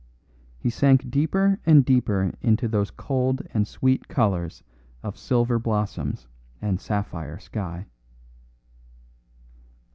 He sank deeper and deeper into those cold and sweet colours of silver blossoms and sapphire sky.